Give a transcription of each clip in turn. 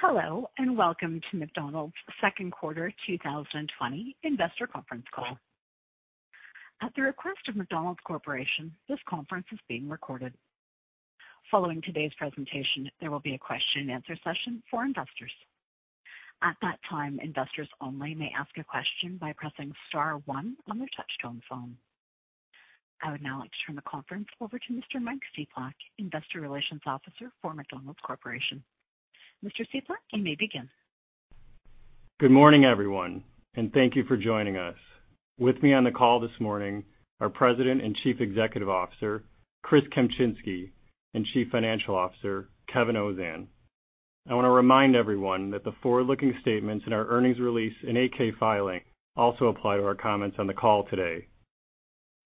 Hello, and welcome to McDonald's second quarter 2020 investor conference call. At the request of McDonald's Corporation, this conference is being recorded. Following today's presentation, there will be a question and answer session for investors. At that time, investors only may ask a question by pressing star one on their touch-tone phone. I would now like to turn the conference over to Mr. Mike Cieplak, Investor Relations Officer for McDonald's Corporation. Mr. Cieplak, you may begin. Good morning, everyone, and thank you for joining us. With me on the call this morning, our President and Chief Executive Officer, Chris Kempczinski, and Chief Financial Officer, Kevin Ozan. I want to remind everyone that the forward-looking statements in our earnings release and 8-K filing also apply to our comments on the call today.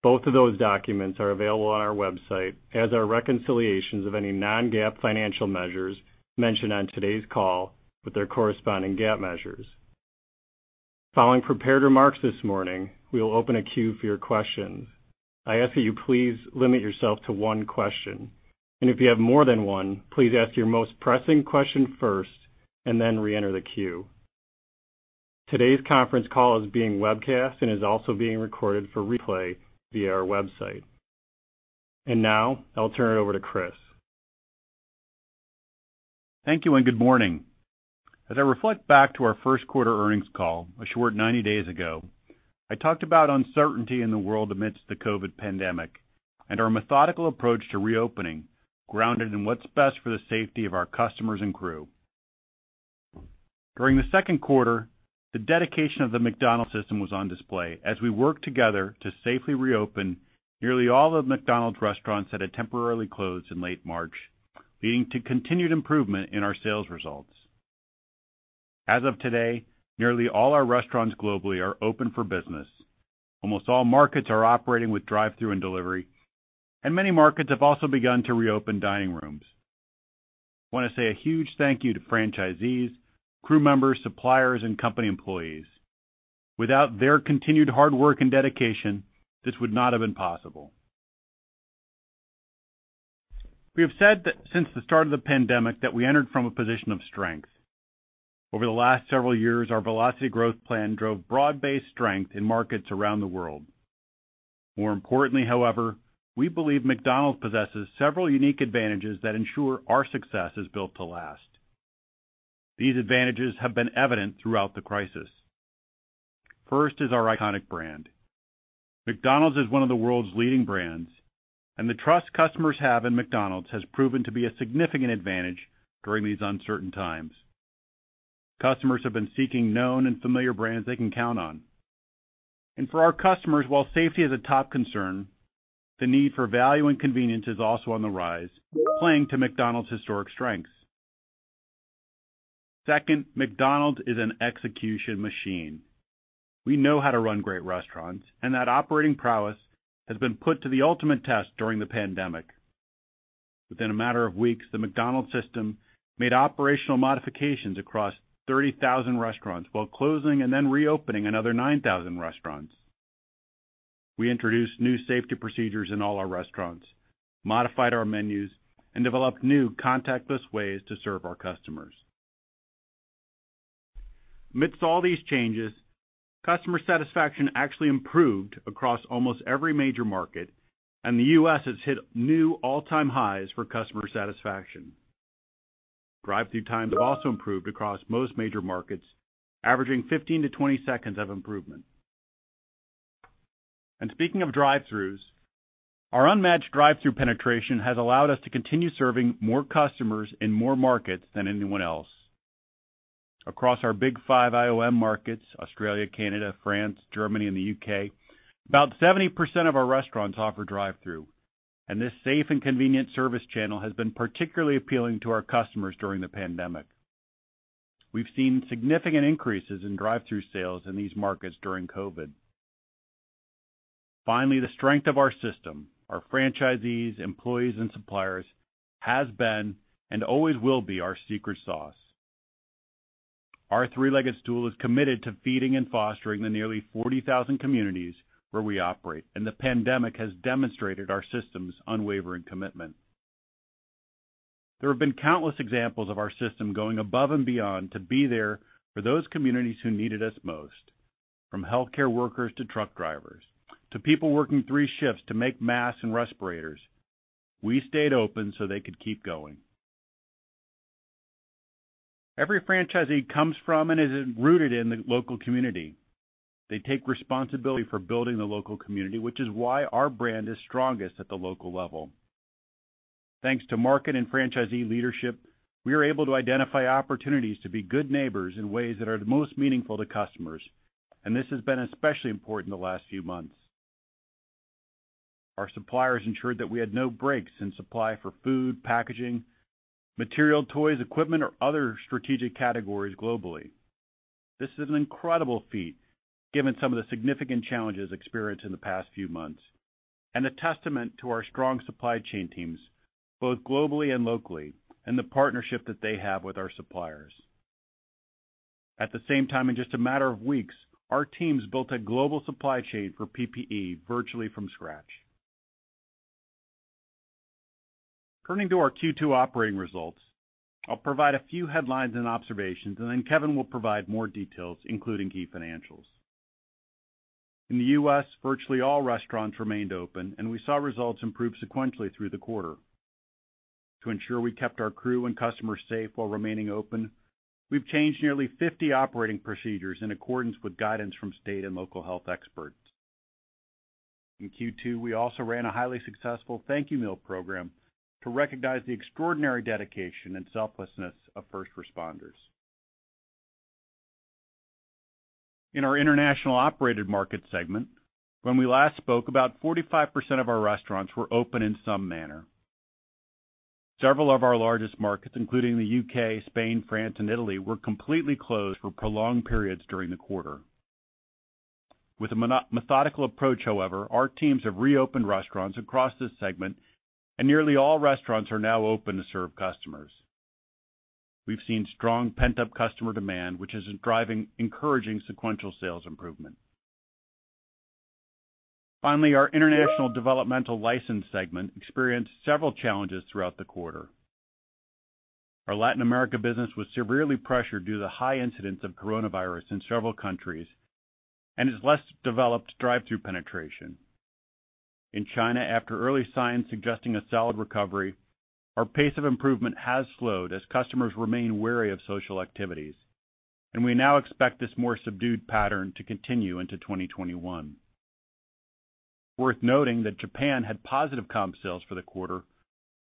Both of those documents are available on our website as are reconciliations of any non-GAAP financial measures mentioned on today's call with their corresponding GAAP measures. Following prepared remarks this morning, we will open a queue for your questions. I ask that you please limit yourself to one question. If you have more than one, please ask your most pressing question first and then reenter the queue. Today's conference call is being webcast and is also being recorded for replay via our website. Now I'll turn it over to Chris. Thank you, and good morning. As I reflect back to our first quarter earnings call, a short 90 days ago, I talked about uncertainty in the world amidst the COVID pandemic and our methodical approach to reopening, grounded in what's best for the safety of our customers and crew. During the second quarter, the dedication of the McDonald's system was on display as we worked together to safely reopen nearly all of McDonald's restaurants that had temporarily closed in late March, leading to continued improvement in our sales results. As of today, nearly all our restaurants globally are open for business. Almost all markets are operating with drive-through and delivery. Many markets have also begun to reopen dining rooms. I want to say a huge thank you to franchisees, crew members, suppliers, and company employees. Without their continued hard work and dedication, this would not have been possible. We have said that since the start of the pandemic that we entered from a position of strength. Over the last several years, our Velocity Growth Plan drove broad-based strength in markets around the world. More importantly, however, we believe McDonald's possesses several unique advantages that ensure our success is built to last. These advantages have been evident throughout the crisis. First is our iconic brand. McDonald's is one of the world's leading brands, and the trust customers have in McDonald's has proven to be a significant advantage during these uncertain times. Customers have been seeking known and familiar brands they can count on. For our customers, while safety is a top concern, the need for value and convenience is also on the rise, playing to McDonald's historic strengths. Second, McDonald's is an execution machine. We know how to run great restaurants. That operating prowess has been put to the ultimate test during the pandemic. Within a matter of weeks, the McDonald's system made operational modifications across 30,000 restaurants while closing and then reopening another 9,000 restaurants. We introduced new safety procedures in all our restaurants, modified our menus, and developed new contactless ways to serve our customers. Amidst all these changes, customer satisfaction actually improved across almost every major market. The U.S. has hit new all-time highs for customer satisfaction. Drive-through times have also improved across most major markets, averaging 15 to 20 seconds of improvement. Speaking of drive-throughs, our unmatched drive-through penetration has allowed us to continue serving more customers in more markets than anyone else. Across our big five IOM markets, Australia, Canada, France, Germany, and the U.K., about 70% of our restaurants offer drive-through, and this safe and convenient service channel has been particularly appealing to our customers during the pandemic. We've seen significant increases in drive-through sales in these markets during COVID. Finally, the strength of our system, our franchisees, employees, and suppliers, has been and always will be our secret sauce. Our Three-Legged Stool is committed to feeding and fostering the nearly 40,000 communities where we operate, and the pandemic has demonstrated our system's unwavering commitment. There have been countless examples of our system going above and beyond to be there for those communities who needed us most, from healthcare workers to truck drivers, to people working three shifts to make masks and respirators. We stayed open so they could keep going. Every franchisee comes from and is rooted in the local community. They take responsibility for building the local community, which is why our brand is strongest at the local level. Thanks to market and franchisee leadership, we are able to identify opportunities to be good neighbors in ways that are the most meaningful to customers, and this has been especially important the last few months. Our suppliers ensured that we had no breaks in supply for food, packaging, material, toys, equipment, or other strategic categories globally. This is an incredible feat given some of the significant challenges experienced in the past few months and a testament to our strong supply chain teams, both globally and locally, and the partnership that they have with our suppliers. At the same time, in just a matter of weeks, our teams built a global supply chain for PPE virtually from scratch. To our Q2 operating results, I'll provide a few headlines and observations, and then Kevin will provide more details, including key financials. In the U.S., virtually all restaurants remained open, and we saw results improve sequentially through the quarter. To ensure we kept our crew and customers safe while remaining open, we've changed nearly 50 operating procedures in accordance with guidance from state and local health experts. In Q2, we also ran a highly successful Thank You Meal program to recognize the extraordinary dedication and selflessness of first responders. In our International Operated Markets segment, when we last spoke, about 45% of our restaurants were open in some manner. Several of our largest markets, including the U.K., Spain, France, and Italy, were completely closed for prolonged periods during the quarter. With a methodical approach, however, our teams have reopened restaurants across this segment and nearly all restaurants are now open to serve customers. We've seen strong pent-up customer demand, which is driving encouraging sequential sales improvement. Finally, our International Developmental Licensed segment experienced several challenges throughout the quarter. Our Latin America business was severely pressured due to the high incidence of coronavirus in several countries and its less developed drive-through penetration. In China, after early signs suggesting a solid recovery, our pace of improvement has slowed as customers remain wary of social activities, and we now expect this more subdued pattern to continue into 2021. Worth noting that Japan had positive comp sales for the quarter,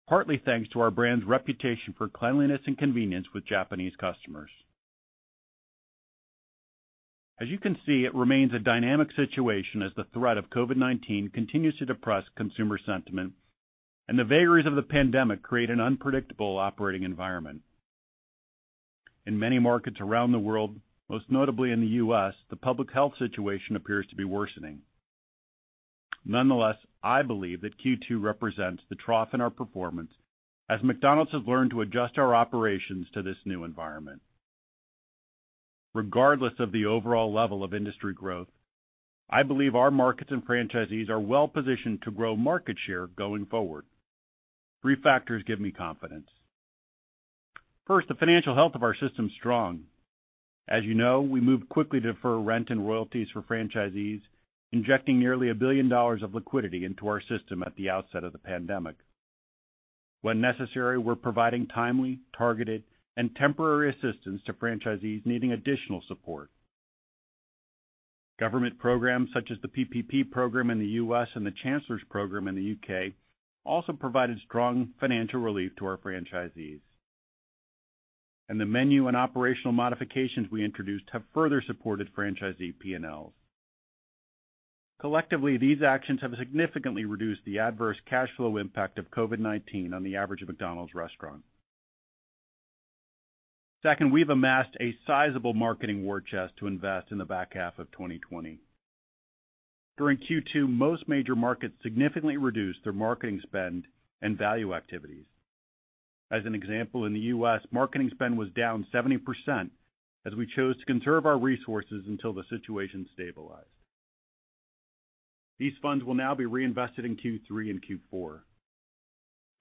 partly thanks to our brand's reputation for cleanliness and convenience with Japanese customers. As you can see, it remains a dynamic situation as the threat of COVID-19 continues to depress consumer sentiment and the vagaries of the pandemic create an unpredictable operating environment. In many markets around the world, most notably in the U.S., the public health situation appears to be worsening. Nonetheless, I believe that Q2 represents the trough in our performance as McDonald's has learned to adjust our operations to this new environment. Regardless of the overall level of industry growth, I believe our markets and franchisees are well-positioned to grow market share going forward. Three factors give me confidence. First, the financial health of our system is strong. As you know, we moved quickly to defer rent and royalties for franchisees, injecting nearly $1 billion of liquidity into our system at the outset of the pandemic. When necessary, we're providing timely, targeted, and temporary assistance to franchisees needing additional support. Government programs such as the PPP program in the U.S. and the Chancellor's program in the U.K. also provided strong financial relief to our franchisees. The menu and operational modifications we introduced have further supported franchisee P&Ls. Collectively, these actions have significantly reduced the adverse cash flow impact of COVID-19 on the average McDonald's restaurant. Second, we've amassed a sizable marketing war chest to invest in the back half of 2020. During Q2, most major markets significantly reduced their marketing spend and value activities. As an example, in the U.S., marketing spend was down 70% as we chose to conserve our resources until the situation stabilized. These funds will now be reinvested in Q3 and Q4.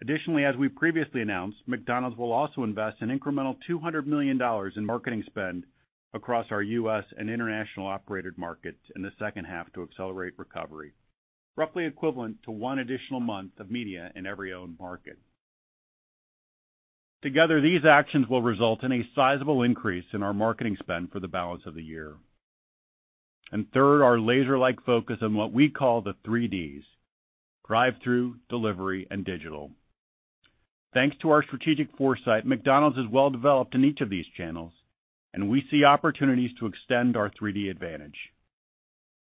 Additionally, as we previously announced, McDonald's will also invest an incremental $200 million in marketing spend across our U.S. and International Operated Markets in the second half to accelerate recovery, roughly equivalent to one additional month of media in every owned market. Together, these actions will result in a sizable increase in our marketing spend for the balance of the year. Third, our laser-like focus on what we call the 3Ds: drive-through, delivery, and digital. Thanks to our strategic foresight, McDonald's is well developed in each of these channels, and we see opportunities to extend our 3D advantage.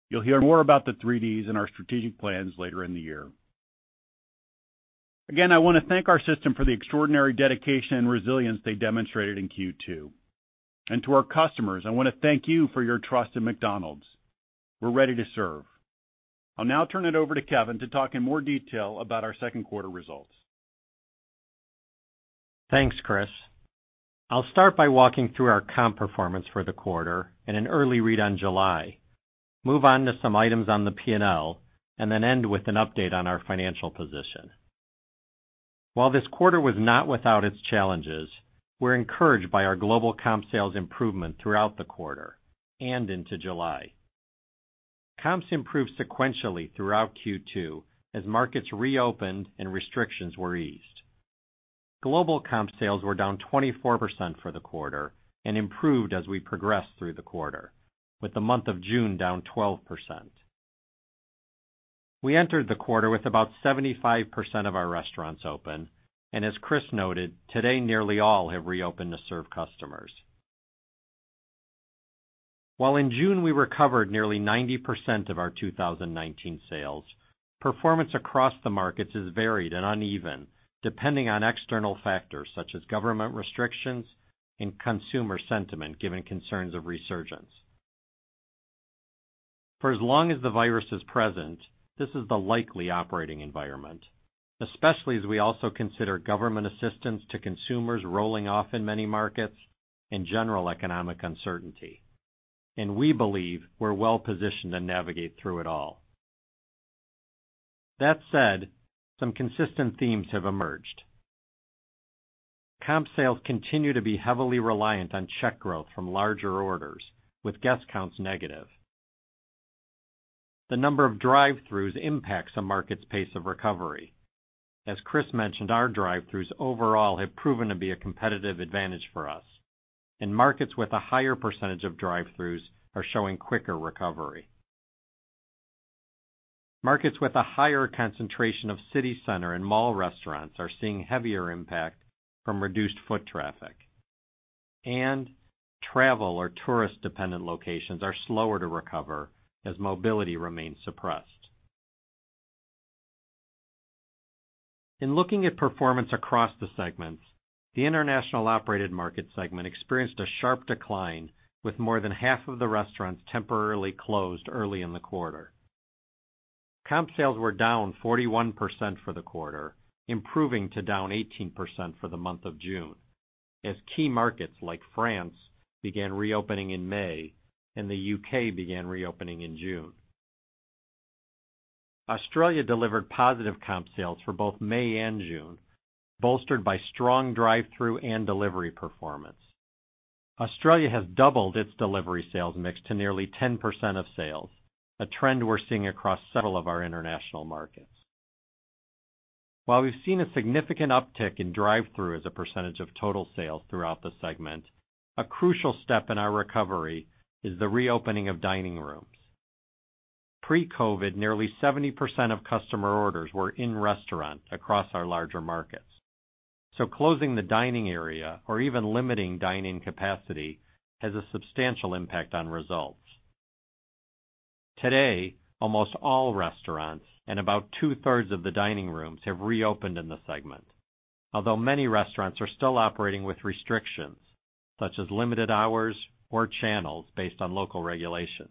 You'll hear more about the 3Ds and our strategic plans later in the year. I want to thank our system for the extraordinary dedication and resilience they demonstrated in Q2. To our customers, I want to thank you for your trust in McDonald's. We're ready to serve. I'll now turn it over to Kevin to talk in more detail about our second quarter results. Thanks, Chris. I'll start by walking through our comp performance for the quarter and an early read on July, move on to some items on the P&L, and then end with an update on our financial position. While this quarter was not without its challenges, we're encouraged by our global comp sales improvement throughout the quarter and into July. Comps improved sequentially throughout Q2 as markets reopened and restrictions were eased. Global comp sales were down 24% for the quarter and improved as we progressed through the quarter, with the month of June down 12%. We entered the quarter with about 75% of our restaurants open, and as Chris noted, today nearly all have reopened to serve customers. While in June we recovered nearly 90% of our 2019 sales, performance across the markets is varied and uneven, depending on external factors such as government restrictions and consumer sentiment, given concerns of resurgence. For as long as the virus is present, this is the likely operating environment, especially as we also consider government assistance to consumers rolling off in many markets and general economic uncertainty. We believe we're well-positioned to navigate through it all. That said, some consistent themes have emerged. Comp sales continue to be heavily reliant on check growth from larger orders, with guest counts negative. The number of drive-throughs impacts a market's pace of recovery. As Chris mentioned, our drive-throughs overall have proven to be a competitive advantage for us. In markets with a higher percentage of drive-throughs are showing quicker recovery. Markets with a higher concentration of city center and mall restaurants are seeing heavier impact from reduced foot traffic. Travel or tourist-dependent locations are slower to recover as mobility remains suppressed. In looking at performance across the segments, the International Operated Markets segment experienced a sharp decline with more than half of the restaurants temporarily closed early in the quarter. Comp sales were down 41% for the quarter, improving to down 18% for the month of June. As key markets like France began reopening in May, and the U.K. began reopening in June. Australia delivered positive comp sales for both May and June, bolstered by strong drive-through and delivery performance. Australia has doubled its delivery sales mix to nearly 10% of sales, a trend we're seeing across several of our international markets. While we've seen a significant uptick in drive-through as a percentage of total sales throughout the segment, a crucial step in our recovery is the reopening of dining rooms. Pre-COVID, nearly 70% of customer orders were in restaurant across our larger markets. Closing the dining area or even limiting dine-in capacity has a substantial impact on results. Today, almost all restaurants and about two-thirds of the dining rooms have reopened in the segment. Although many restaurants are still operating with restrictions, such as limited hours or channels based on local regulations.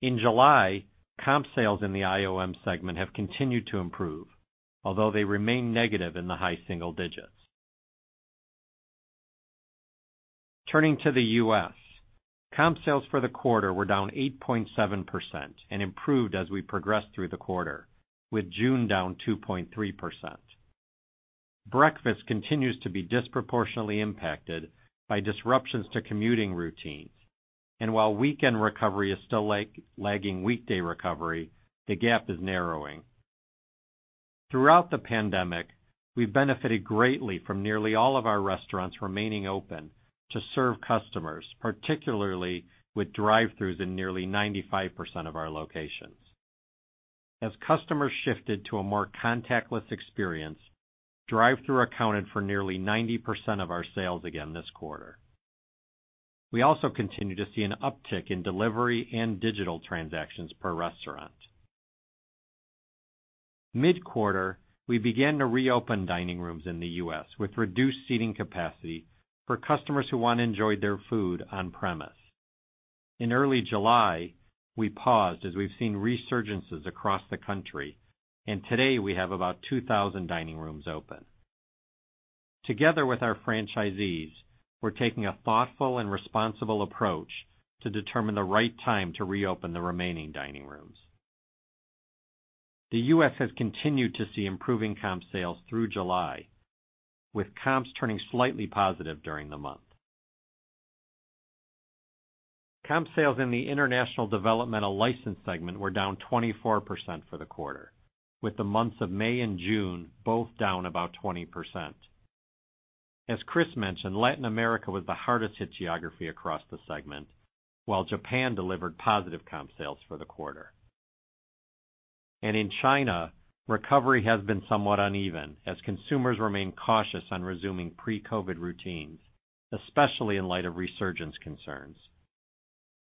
In July, comp sales in the IOM segment have continued to improve, although they remain negative in the high single digits. Turning to the U.S., comp sales for the quarter were down 8.7% and improved as we progressed through the quarter, with June down 2.3%. Breakfast continues to be disproportionately impacted by disruptions to commuting routines. While weekend recovery is still lagging weekday recovery, the gap is narrowing. Throughout the pandemic, we've benefited greatly from nearly all of our restaurants remaining open to serve customers, particularly with drive-throughs in nearly 95% of our locations. As customers shifted to a more contactless experience, drive-through accounted for nearly 90% of our sales again this quarter. We also continue to see an uptick in delivery and digital transactions per restaurant. Mid-quarter, we began to reopen dining rooms in the U.S. with reduced seating capacity for customers who want to enjoy their food on premise. In early July, we paused as we've seen resurgences across the country, and today we have about 2,000 dining rooms open. Together with our franchisees, we're taking a thoughtful and responsible approach to determine the right time to reopen the remaining dining rooms. The U.S. has continued to see improving comp sales through July, with comps turning slightly positive during the month. Comp sales in the International Developmental Licensed segment were down 24% for the quarter, with the months of May and June both down about 20%. As Chris mentioned, Latin America was the hardest hit geography across the segment, while Japan delivered positive comp sales for the quarter. In China, recovery has been somewhat uneven as consumers remain cautious on resuming pre-COVID routines, especially in light of resurgence concerns.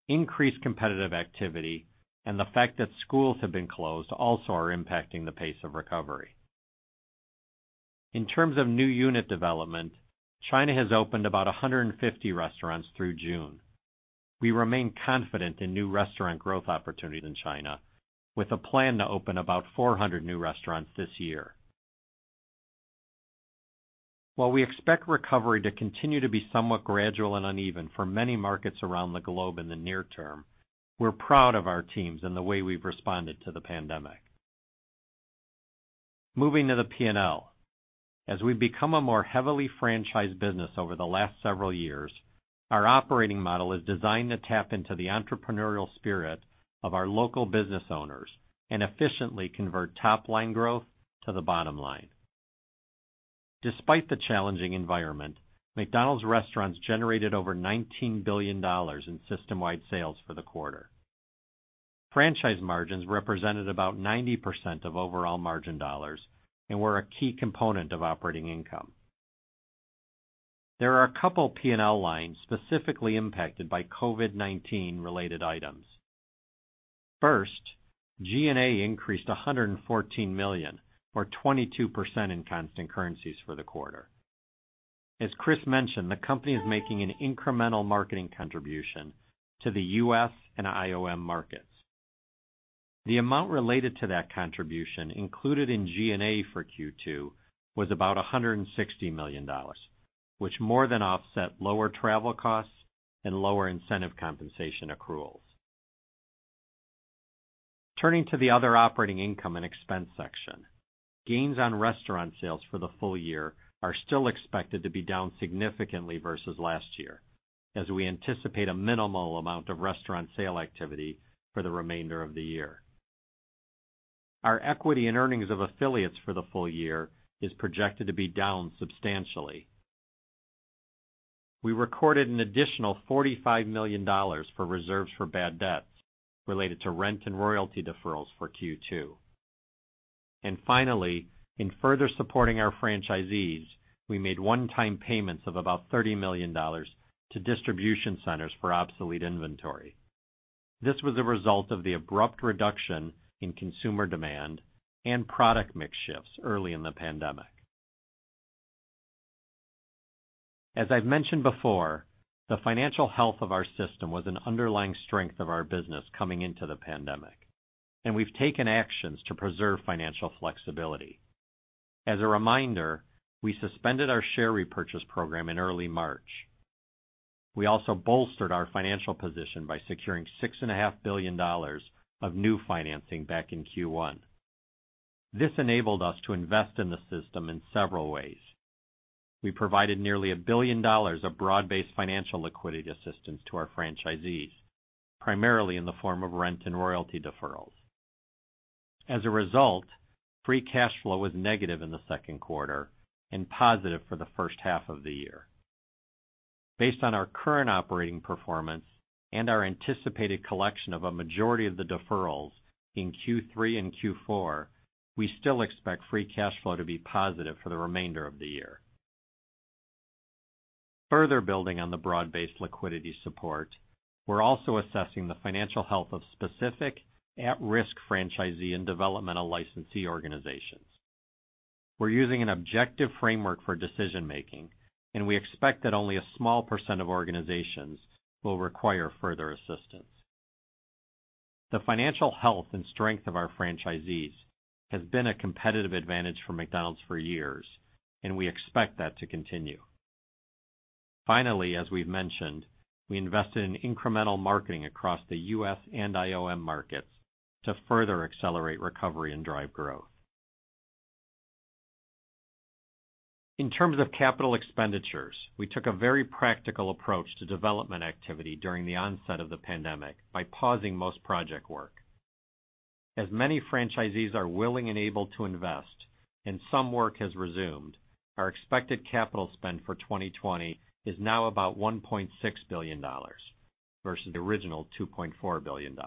Increased competitive activity and the fact that schools have been closed also are impacting the pace of recovery. In terms of new unit development, China has opened about 150 restaurants through June. We remain confident in new restaurant growth opportunities in China with a plan to open about 400 new restaurants this year. While we expect recovery to continue to be somewhat gradual and uneven for many markets around the globe in the near term, we're proud of our teams and the way we've responded to the pandemic. Moving to the P&L. As we've become a more heavily franchised business over the last several years, our operating model is designed to tap into the entrepreneurial spirit of our local business owners and efficiently convert top-line growth to the bottom line. Despite the challenging environment, McDonald's restaurants generated over $19 billion in system-wide sales for the quarter. Franchise margins represented about 90% of overall margin dollars and were a key component of operating income. There are a couple P&L lines specifically impacted by COVID-19 related items. First, G&A increased $114 million, or 22% in constant currencies for the quarter. As Chris mentioned, the company is making an incremental marketing contribution to the U.S. and IOM markets. The amount related to that contribution included in G&A for Q2 was about $160 million, which more than offset lower travel costs and lower incentive compensation accruals. Turning to the other operating income and expense section, gains on restaurant sales for the full year are still expected to be down significantly versus last year, as we anticipate a minimal amount of restaurant sale activity for the remainder of the year. Our equity and earnings of affiliates for the full year is projected to be down substantially. We recorded an additional $45 million for reserves for bad debts related to rent and royalty deferrals for Q2. Finally, in further supporting our franchisees, we made one-time payments of about $30 million to distribution centers for obsolete inventory. This was a result of the abrupt reduction in consumer demand and product mix shifts early in the pandemic. As I've mentioned before, the financial health of our system was an underlying strength of our business coming into the pandemic, and we've taken actions to preserve financial flexibility. As a reminder, we suspended our share repurchase program in early March. We also bolstered our financial position by securing $6.5 billion of new financing back in Q1. This enabled us to invest in the system in several ways. We provided nearly $1 billion of broad-based financial liquidity assistance to our franchisees, primarily in the form of rent and royalty deferrals. As a result, free cash flow was negative in the second quarter and positive for the first half of the year. Based on our current operating performance and our anticipated collection of a majority of the deferrals in Q3 and Q4, we still expect free cash flow to be positive for the remainder of the year. Further building on the broad-based liquidity support, we're also assessing the financial health of specific at-risk franchisee and developmental licensee organizations. We're using an objective framework for decision making, and we expect that only a small percent of organizations will require further assistance. The financial health and strength of our franchisees has been a competitive advantage for McDonald's for years, and we expect that to continue. Finally, as we've mentioned, we invested in incremental marketing across the U.S. and IOM markets to further accelerate recovery and drive growth. In terms of capital expenditures, we took a very practical approach to development activity during the onset of the pandemic by pausing most project work. As many franchisees are willing and able to invest and some work has resumed, our expected capital spend for 2020 is now about $1.6 billion, versus the original $2.4 billion.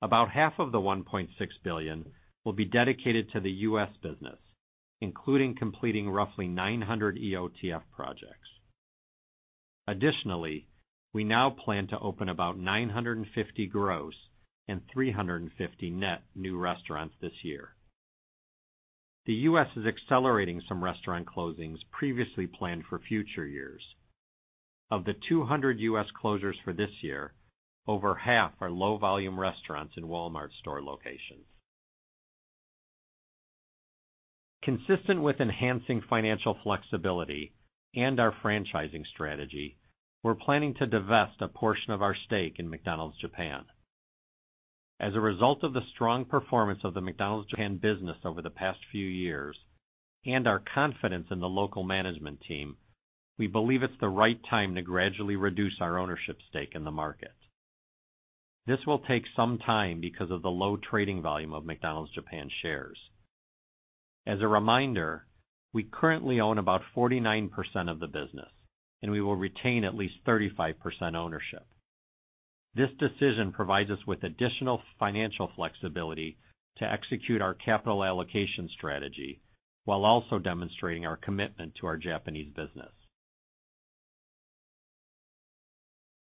About half of the $1.6 billion will be dedicated to the U.S. business, including completing roughly 900 EOTF projects. Additionally, we now plan to open about 950 gross and 350 net new restaurants this year. The U.S. is accelerating some restaurant closings previously planned for future years. Of the 200 U.S. closures for this year, over half are low-volume restaurants in Walmart store locations. Consistent with enhancing financial flexibility and our franchising strategy, we're planning to divest a portion of our stake in McDonald's Japan. As a result of the strong performance of the McDonald's Japan business over the past few years and our confidence in the local management team, we believe it's the right time to gradually reduce our ownership stake in the market. This will take some time because of the low trading volume of McDonald's Japan shares. As a reminder, we currently own about 49% of the business, and we will retain at least 35% ownership. This decision provides us with additional financial flexibility to execute our capital allocation strategy while also demonstrating our commitment to our Japanese business.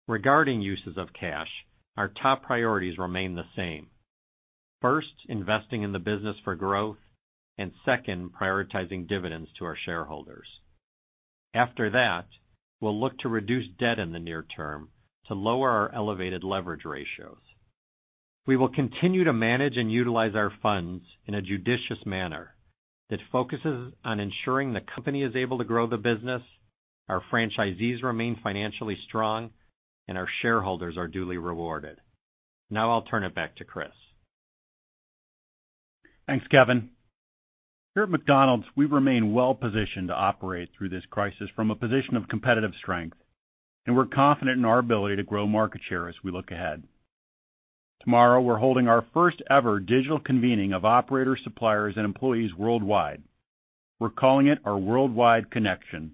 Regarding uses of cash, our top priorities remain the same. First, investing in the business for growth, and second, prioritizing dividends to our shareholders. After that, we'll look to reduce debt in the near term to lower our elevated leverage ratios. We will continue to manage and utilize our funds in a judicious manner that focuses on ensuring the company is able to grow the business, our franchisees remain financially strong, and our shareholders are duly rewarded. I'll turn it back to Chris. Thanks, Kevin. Here at McDonald's, we remain well-positioned to operate through this crisis from a position of competitive strength, and we're confident in our ability to grow market share as we look ahead. Tomorrow, we're holding our first ever digital convening of operators, suppliers, and employees worldwide. We're calling it our Worldwide Connection.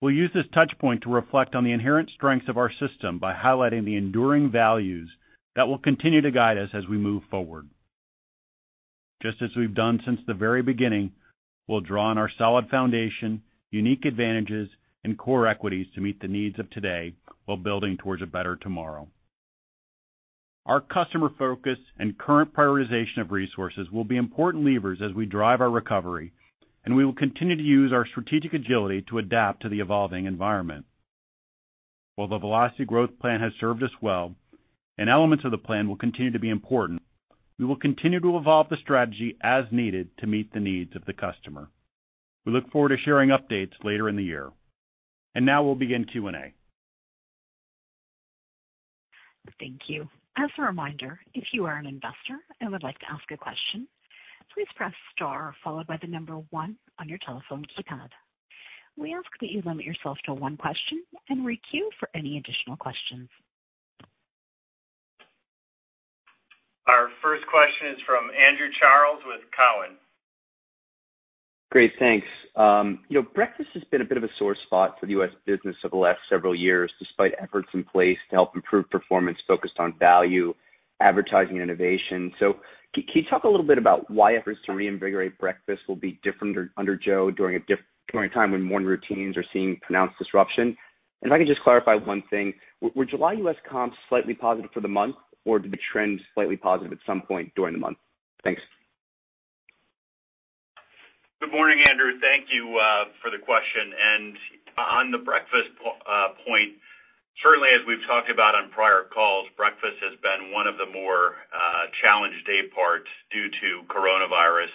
We'll use this touchpoint to reflect on the inherent strengths of our system by highlighting the enduring values that will continue to guide us as we move forward. Just as we've done since the very beginning, we'll draw on our solid foundation, unique advantages, and core equities to meet the needs of today while building towards a better tomorrow. Our customer focus and current prioritization of resources will be important levers as we drive our recovery, and we will continue to use our strategic agility to adapt to the evolving environment. While the Velocity Growth Plan has served us well, and elements of the plan will continue to be important, we will continue to evolve the strategy as needed to meet the needs of the customer. We look forward to sharing updates later in the year. Now we'll begin Q&A. Thank you. As a reminder, if you are an investor and would like to ask a question, please press star followed by the number one on your telephone keypad. We ask that you limit yourself to one question and re-queue for any additional questions. Our first question is from Andrew Charles with Cowen. Great, thanks. Breakfast has been a bit of a sore spot for the U.S. business over the last several years, despite efforts in place to help improve performance focused on value, advertising, and innovation. Can you talk a little bit about why efforts to reinvigorate breakfast will be different under Joe during a time when morning routines are seeing pronounced disruption? If I can just clarify one thing, were July U.S. comps slightly positive for the month, or did the trend slightly positive at some point during the month? Thanks. Good morning, Andrew. Thank you for the question. On the breakfast point, certainly as we've talked about on prior calls, breakfast has been one of the more challenged dayparts due to coronavirus.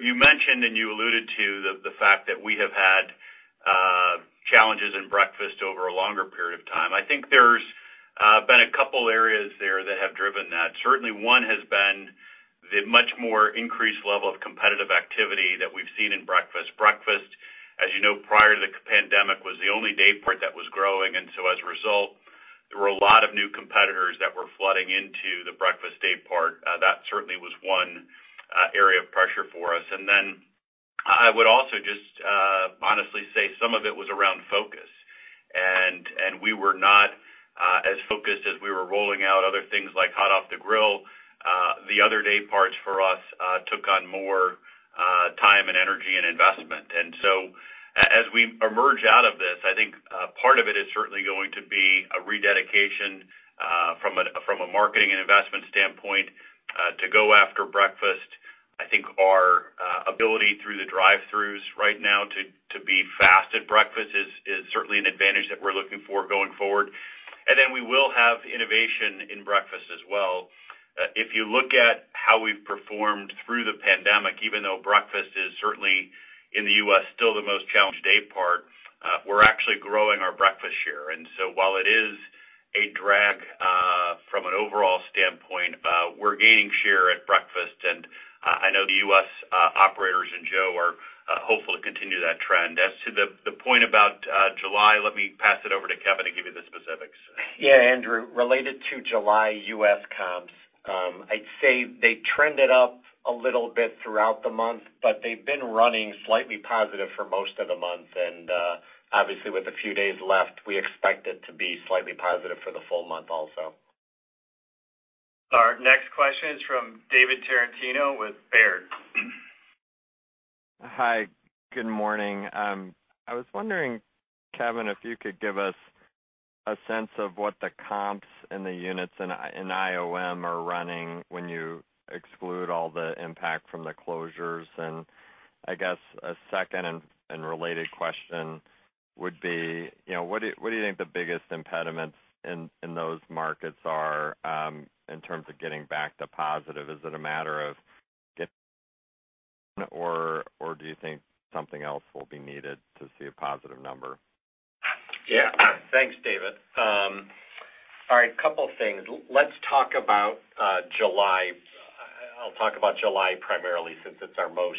You mentioned and you alluded to the fact that we have had challenges in breakfast over a longer period of time. I think there's been a couple areas there that have driven that. Certainly one has been the much more increased level of competitive activity that we've seen in breakfast. Breakfast, as you know, prior to the pandemic, was the only daypart that was growing. As a result, there were a lot of new competitors that were flooding into the breakfast daypart. That certainly was one area of pressure for us. I would also just honestly say some of it was around focus, and we were not as focused as we were rolling out other things like Hot off the Grill. The other dayparts for us took on more time and energy and investment. As we emerge out of this, I think part of it is certainly going to be a rededication from a marketing and investment standpoint to go after breakfast. I think our ability through the drive-throughs right now to be fast at breakfast is certainly an advantage that we're looking for going forward. We will have innovation in breakfast as well. If you look at how we've performed through the pandemic, even though breakfast is certainly in the U.S., still the most challenged daypart, we're actually growing our breakfast share. While it is a drag from an overall standpoint, we're gaining share at breakfast, and I know the U.S. operators and Joe are hopeful to continue that trend. As to the point about July, let me pass it over to Kevin to give you the specifics. Yeah, Andrew, related to July U.S. comps, I'd say they trended up a little bit throughout the month, but they've been running slightly positive for most of the month. Obviously with a few days left, we expect it to be slightly positive for the full month also. Our next question is from David Tarantino with Baird. Hi, good morning. I was wondering, Kevin, if you could give us a sense of what the comps in the units in IOM are running when you exclude all the impact from the closures. I guess a second and related question would be, what do you think the biggest impediments in those markets are in terms of getting back to positive? Is it a matter of [inaudible] or do you think something else will be needed to see a positive number? Yeah. Thanks, David. All right, a couple things. Let's talk about July. I'll talk about July primarily since it's our most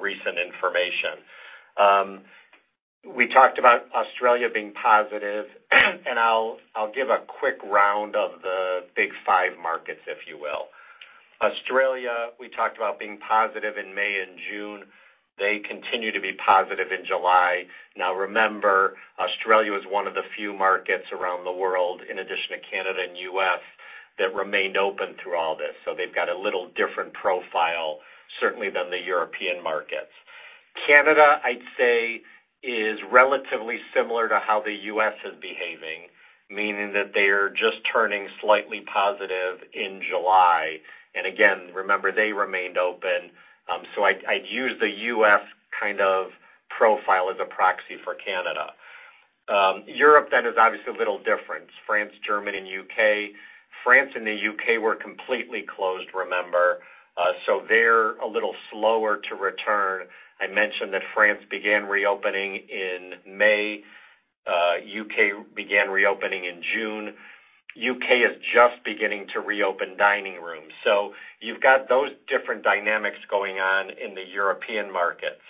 recent information. We talked about Australia being positive, and I'll give a quick round of the big five markets, if you will. Australia, we talked about being positive in May and June. They continue to be positive in July. Now remember, Australia was one of the few markets around the world, in addition to Canada and U.S., that remained open through all this. They've got a little different profile, certainly than the European markets. Canada, I'd say, is relatively similar to how the U.S. is behaving, meaning that they are just turning slightly positive in July. Again, remember, they remained open. I'd use the U.S. kind of profile as a proxy for Canada. Europe is obviously a little different. France, Germany, and U.K. France and the U.K. were completely closed, remember. They're a little slower to return. I mentioned that France began reopening in May. U.K. began reopening in June. U.K. is just beginning to reopen dining rooms. You've got those different dynamics going on in the European markets.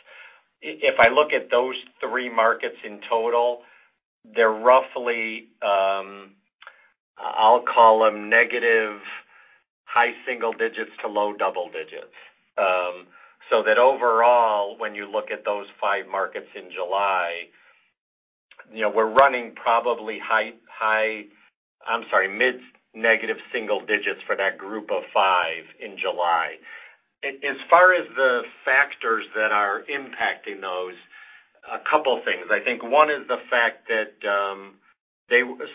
If I look at those three markets in total, they're roughly, I'll call them negative high single digits to low double digits. That overall, when you look at those five markets in July, we're running probably mid-negative single digits for that group of five in July. As far as the factors that are impacting those, a couple things. I think one is the fact that.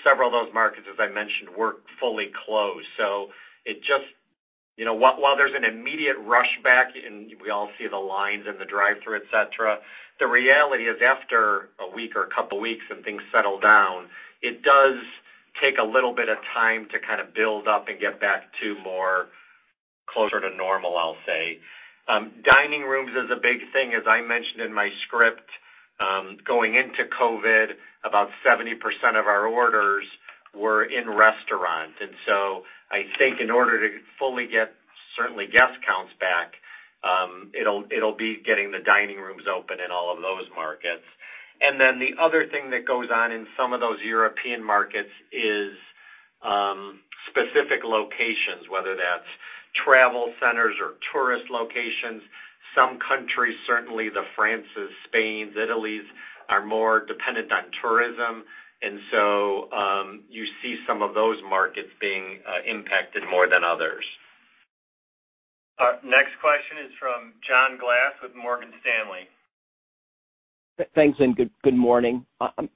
Several of those markets, as I mentioned, weren't fully closed. While there's an immediate rush back, and we all see the lines in the drive-thru, et cetera, the reality is after a week or a couple of weeks and things settle down, it does take a little bit of time to build up and get back to more closer to normal, I'll say. Dining rooms is a big thing. As I mentioned in my script, going into COVID, about 70% of our orders were in restaurant. I think in order to fully get certainly guest counts back, it'll be getting the dining rooms open in all of those markets. Then the other thing that goes on in some of those European markets is specific locations, whether that's travel centers or tourist locations. Some countries, certainly the Frances, Spains, Italies, are more dependent on tourism. You see some of those markets being impacted more than others. Our next question is from John Glass with Morgan Stanley. Thanks. Good morning.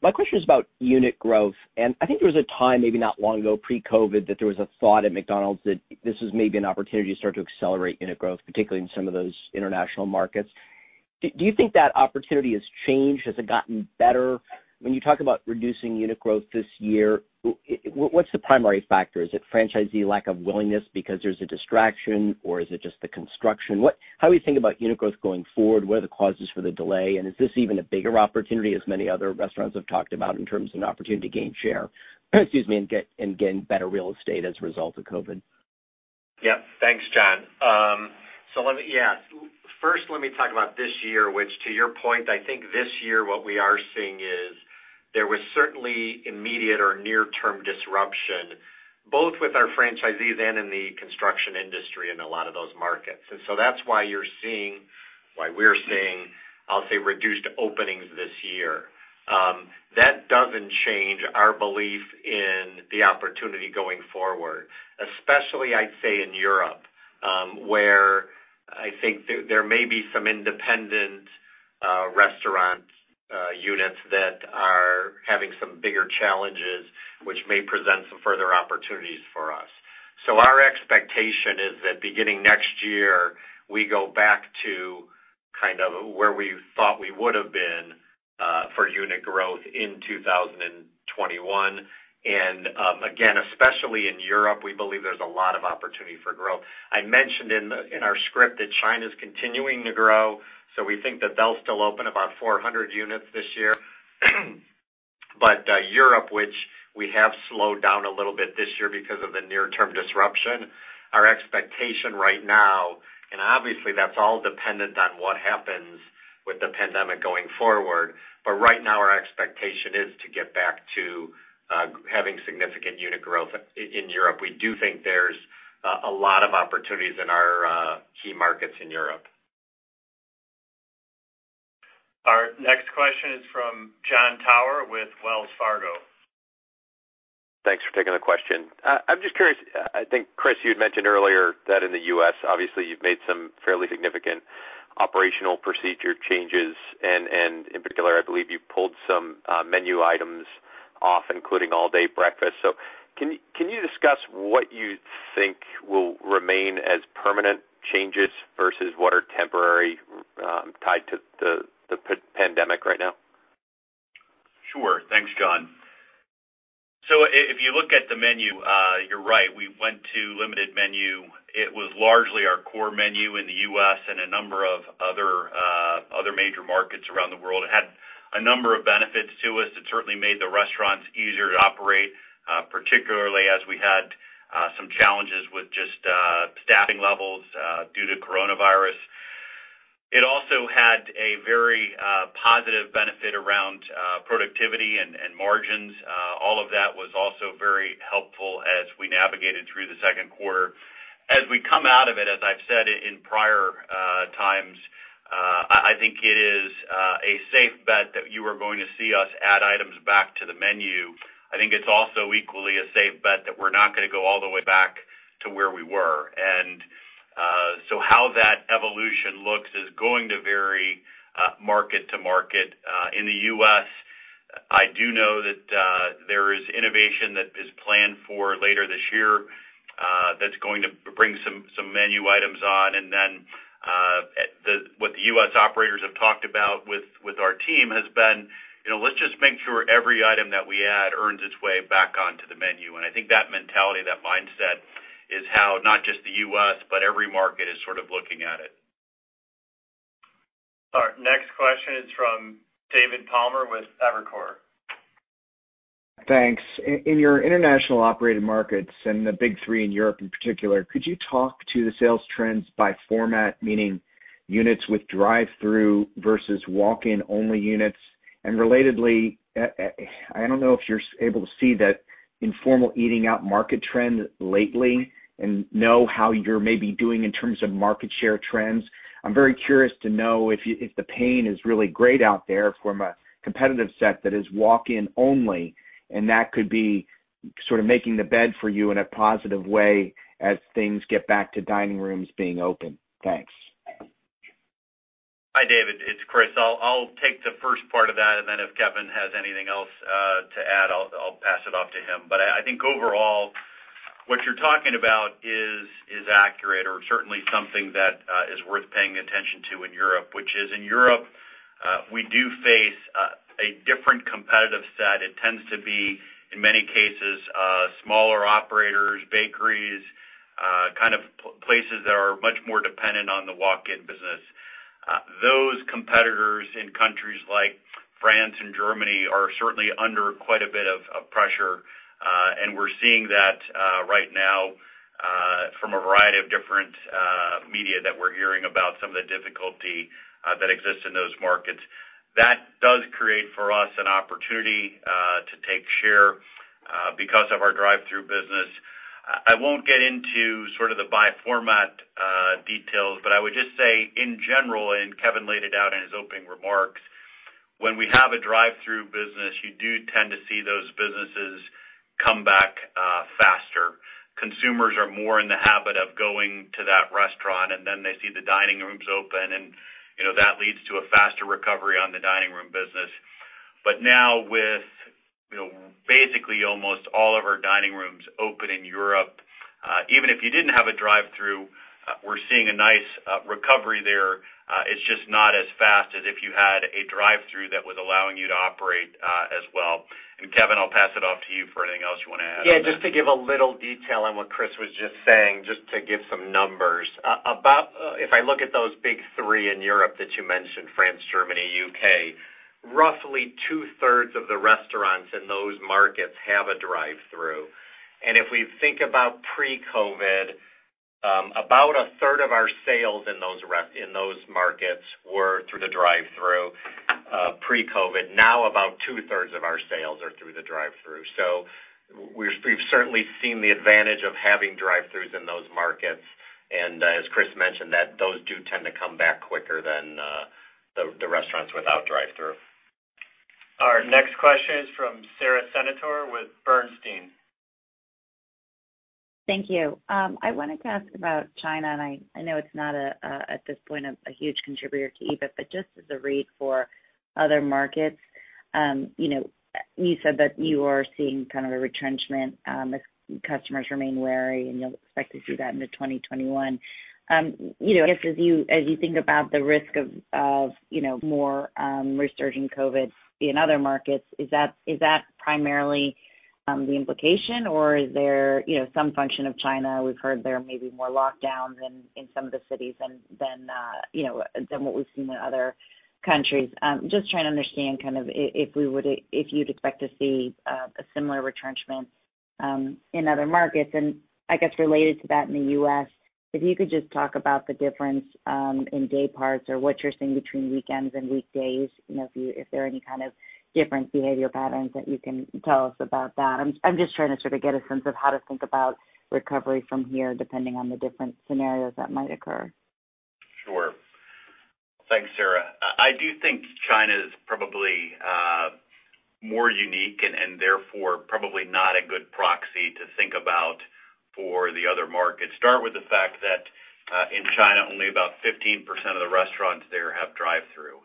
My question is about unit growth. I think there was a time, maybe not long ago, pre-COVID, that there was a thought at McDonald's that this was maybe an opportunity to start to accelerate unit growth, particularly in some of those international markets. Do you think that opportunity has changed? Has it gotten better? When you talk about reducing unit growth this year, what's the primary factor? Is it franchisee lack of willingness because there's a distraction, or is it just the construction? How are you thinking about unit growth going forward? What are the causes for the delay? Is this even a bigger opportunity, as many other restaurants have talked about, in terms of an opportunity to gain share and gain better real estate as a result of COVID? Thanks, John. First, let me talk about this year, which, to your point, I think this year, what we are seeing is there was certainly immediate or near-term disruption, both with our franchisees and in the construction industry in a lot of those markets. That's why we're seeing, I'll say, reduced openings this year. That doesn't change our belief in the opportunity going forward, especially, I'd say, in Europe, where I think there may be some independent restaurant units that are having some bigger challenges, which may present some further opportunities for us. Our expectation is that beginning next year, we go back to where we thought we would have been for unit growth in 2021. Again, especially in Europe, we believe there's a lot of opportunity for growth. I mentioned in our script that China's continuing to grow, so we think that they'll still open about 400 units this year. Europe, which we have slowed down a little bit this year because of the near-term disruption, our expectation right now, and obviously that's all dependent on what happens with the pandemic going forward, but right now, our expectation is to get back to having significant unit growth in Europe. We do think there's a lot of opportunities in our key markets in Europe. Our next question is from Jon Tower with Wells Fargo. Thanks for taking the question. I'm just curious. I think, Chris, you had mentioned earlier that in the U.S., obviously, you've made some fairly significant operational procedure changes, and in particular, I believe you pulled some menu items off, including All Day Breakfast. Can you discuss what you think will remain as permanent changes versus what are temporary tied to the pandemic right now? Sure. Thanks, Jon. If you look at the menu, you're right. We went to limited menu. It was largely our core menu in the U.S. and a number of other major markets around the world. It had a number of benefits to us. It certainly made the restaurants easier to operate, particularly as we had some challenges with just staffing levels due to coronavirus. It also had a very positive benefit around productivity and margins. All of that was also very helpful as we navigated through the second quarter. As we come out of it, as I've said in prior times, I think it is a safe bet that you are going to see us add items back to the menu. I think it's also equally a safe bet that we're not going to go all the way back to where we were. How that evolution looks is going to vary market to market. In the U.S., I do know that there is innovation that is planned for later this year that's going to bring some menu items on. Then, what the U.S. operators have talked about with our team has been, let's just make sure every item that we add earns its way back onto the menu. I think that mentality, that mindset, is how not just the U.S., but every market is looking at it. Our next question is from David Palmer with Evercore. Thanks. In your International Operated Markets, and the big three in Europe in particular, could you talk to the sales trends by format, meaning units with drive-thru versus walk-in only units? Relatedly, I don't know if you're able to see the informal eating out market trend lately and know how you're maybe doing in terms of market share trends. I'm very curious to know if the pain is really great out there from a competitive set that is walk-in only, and that could be making the bed for you in a positive way as things get back to dining rooms being open. Thanks. Hi, David, it's Chris. I'll take the first part of that, and then if Kevin has anything else to add, I'll pass it off to him. I think overall, what you're talking about is accurate or certainly something that is worth paying attention to in Europe, which is in Europe, we do face a different competitive set. It tends to be, in many cases, smaller operators, bakeries, kind of places that are much more dependent on the walk-in business. Those competitors in countries like France and Germany are certainly under quite a bit of pressure. We're seeing that right now from a variety of different media that we're hearing about some of the difficulty that exists in those markets. That does create for us an opportunity to take share because of our drive-thru business. I won't get into sort of the by-format details, I would just say in general, Kevin laid it out in his opening remarks, when we have a drive-thru business, you do tend to see those businesses come back faster. Consumers are more in the habit of going to that restaurant, then they see the dining rooms open, that leads to a faster recovery on the dining room business. Now with basically almost all of our dining rooms open in Europe, even if you didn't have a drive-thru, we're seeing a nice recovery there. It's just not as fast as if you had a drive-thru that was allowing you to operate as well. Kevin, I'll pass it off to you for anything else you want to add. Yeah, just to give a little detail on what Chris was just saying, just to give some numbers. If I look at those big three in Europe that you mentioned, France, Germany, U.K., roughly two-thirds of the restaurants in those markets have a drive-thru. If we think about pre-COVID, about a third of our sales in those markets were through the drive-thru pre-COVID. Now about two-thirds of our sales are through the drive-thru. We've certainly seen the advantage of having drive-thrus in those markets. As Chris mentioned, those do tend to come back quicker than the restaurants without drive-thru. Our next question is from Sara Senatore with Bernstein. Thank you. I wanted to ask about China, and I know it's not at this point a huge contributor to EBIT, but just as a read for other markets. You said that you are seeing kind of a retrenchment as customers remain wary, and you'll expect to see that into 2021. I guess as you think about the risk of more resurging COVID in other markets, is that primarily the implication, or is there some function of China we've heard there may be more lockdowns in some of the cities than what we've seen in other countries? Just trying to understand if you'd expect to see a similar retrenchment in other markets. I guess related to that in the U.S., if you could just talk about the difference in dayparts or what you're seeing between weekends and weekdays, if there are any kind of different behavioral patterns that you can tell us about that. I'm just trying to sort of get a sense of how to think about recovery from here, depending on the different scenarios that might occur. Sure. Thanks, Sara. I do think China's probably more unique and therefore probably not a good proxy to think about for the other markets. Start with the fact that in China, only about 15% of the restaurants there have drive-thru.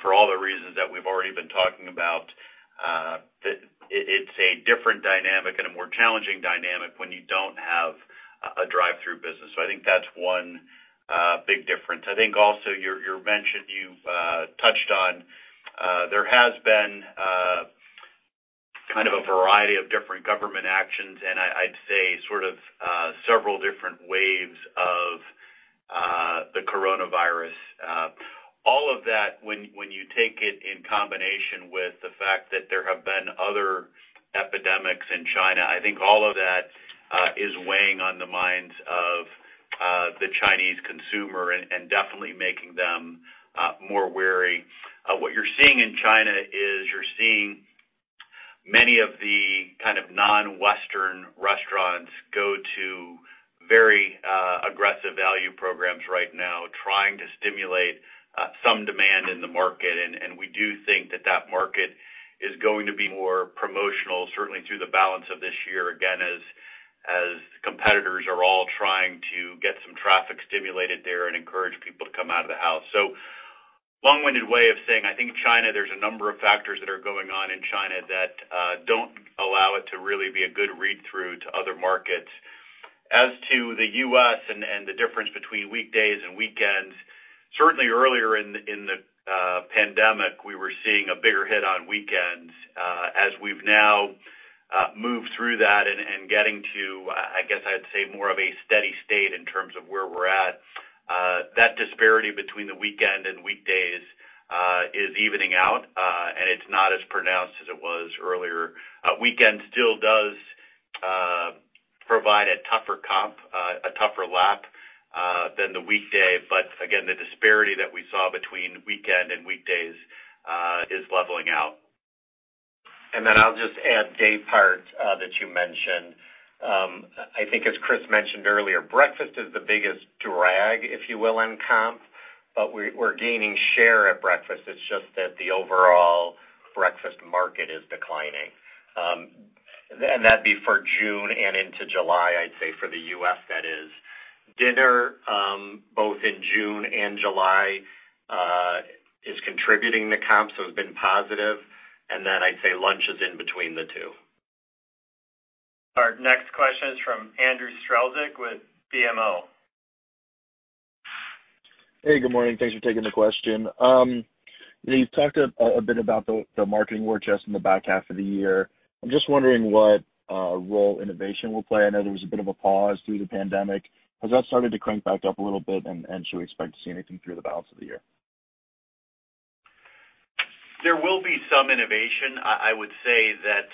For all the reasons that we've already been talking about, it's a different dynamic and a more challenging dynamic when you don't have a drive-thru business. I think that's one big difference. I think also you've touched on there has been kind of a variety of different government actions, and I'd say sort of several different waves of the coronavirus. All of that, when you take it in combination with the fact that there have been other epidemics in China, I think all of that is weighing on the minds of the Chinese consumer and definitely making them more wary. What you're seeing in China is you're seeing many of the kind of non-Western restaurants go to very aggressive value programs right now, trying to stimulate some demand in the market. We do think that that market is going to be more promotional, certainly through the balance of this year, again, as competitors are all trying to get some traffic stimulated there and encourage people to come out of the house. Long-winded way of saying, I think China, there's a number of factors that are going on in China that don't allow it to really be a good read-through to other markets. As to the U.S. and the difference between weekdays and weekends, certainly earlier in the pandemic, we were seeing a bigger hit on weekends. As we've now moved through that and getting to, I guess I'd say more of a steady state in terms of where we're at. That disparity between the weekend and weekdays is evening out, and it's not as pronounced as it was earlier. Weekend still does provide a tougher comp, a tougher lap than the weekday. Again, the disparity that we saw between weekend and weekdays is leveling out. I'll just add daypart that you mentioned. I think as Chris mentioned earlier, breakfast is the biggest drag, if you will, in comp, but we're gaining share at breakfast. It's just that the overall breakfast market is declining. That'd be for June and into July, I'd say, for the U.S., that is. Dinner, both in June and July, is contributing to comps, so it's been positive. I'd say lunch is in between the two. Our next question is from Andrew Strelzik with BMO. Hey, good morning. Thanks for taking the question. You've talked a bit about the marketing war chest in the back half of the year. I'm just wondering what role innovation will play. I know there was a bit of a pause through the pandemic. Has that started to crank back up a little bit, and should we expect to see anything through the balance of the year? There will be some innovation. I would say that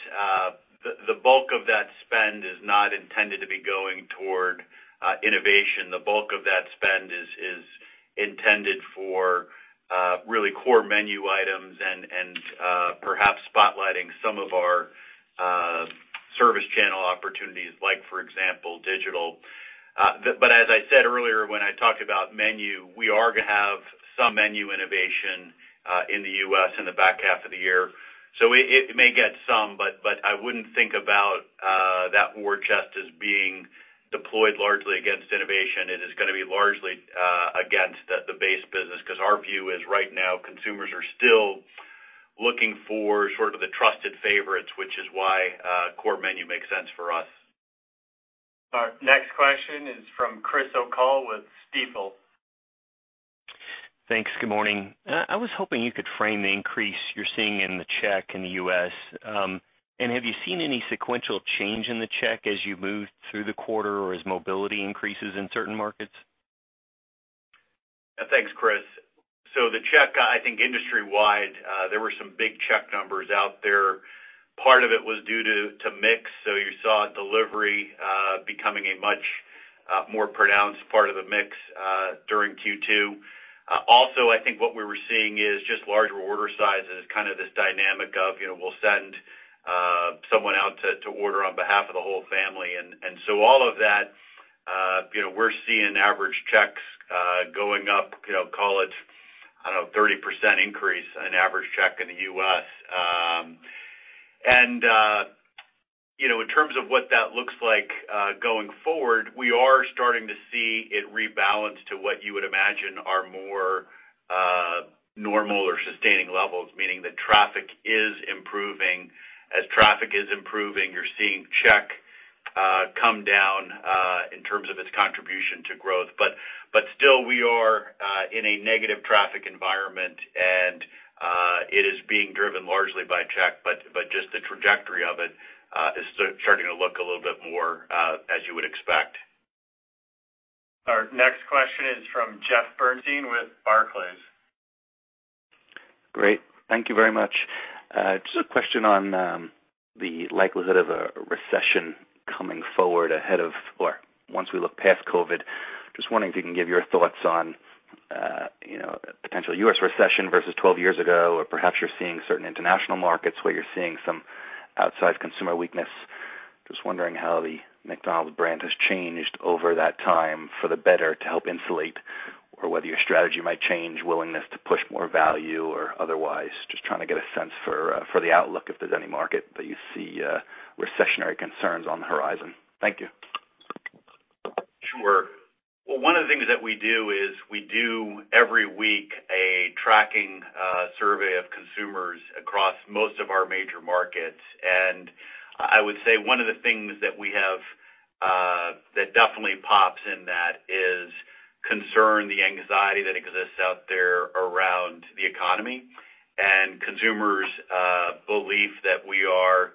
the bulk of that spend is not intended to be going toward innovation. The bulk of that spend is intended for really core menu items and perhaps spotlighting some of our service channel opportunities like, for example, Digital. As I said earlier, when I talk about menu, we are going to have some menu innovation in the U.S. in the back half of the year. It may get some, but I wouldn't think about that war chest as being deployed largely against innovation. It is going to be largely against the base business because our view is right now, consumers are still looking for sort of the trusted favorites, which is why core menu makes sense for us. Our next question is from Chris O'Cull with Stifel. Thanks. Good morning. I was hoping you could frame the increase you're seeing in the check in the U.S. Have you seen any sequential change in the check as you move through the quarter or as mobility increases in certain markets? Thanks, Chris. The check, I think industry wide, there were some big check numbers out there. Part of it was due to mix, you saw delivery becoming a much more pronounced part of the mix during Q2. Also, I think what we were seeing is just larger order sizes, kind of this dynamic of we'll send someone out to order on behalf of the whole family. All of that, we're seeing average checks going up, call it, I don't know, 30% increase in average check in the U.S. In terms of what that looks like going forward, we are starting to see it rebalance to what you would imagine are more normal or sustaining levels, meaning the traffic is improving. As traffic is improving, you're seeing check come down in terms of its contribution to growth. Still, we are in a negative traffic environment, and it is being driven largely by check, but just the trajectory of it is starting to look a little bit more as you would expect. Our next question is from Jeffrey Bernstein with Barclays. Thank you very much. A question on the likelihood of a recession coming forward ahead of, or once we look past COVID. Wondering if you can give your thoughts on a potential U.S. recession versus 12 years ago, or perhaps you're seeing certain international markets where you're seeing some outsize consumer weakness. Wondering how the McDonald's brand has changed over that time for the better to help insulate or whether your strategy might change, willingness to push more value or otherwise. Trying to get a sense for the outlook, if there's any market that you see recessionary concerns on the horizon. Thank you. Sure. Well, one of the things that we do is we do every week a tracking survey of consumers across most of our major markets. I would say one of the things that definitely pops in that is concern, the anxiety that exists out there around the economy and consumers' belief that we are